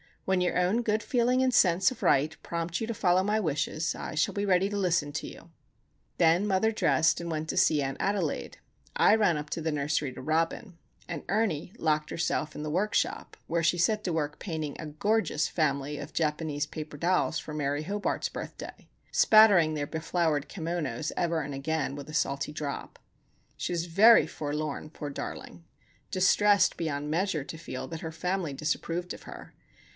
When your own good feeling and sense of right prompt you to follow my wishes, I shall be ready to listen to you." Then mother dressed and went to see Aunt Adelaide; I ran up to the nursery to Robin; and Ernie locked herself in the workshop, where she set to work painting a gorgeous family of Japanese paper dolls for Mary Hobart's birthday,—spattering their beflowered kimonos ever and again with a salty drop. She was very forlorn, poor darling;—distressed beyond measure to feel that her family disapproved of her.